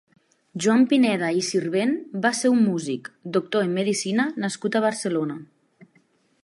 Joan Pineda i Sirvent va ser un músic; Doctor en medicina nascut a Barcelona.